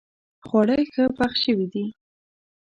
خواړه ښه پخ شوي دي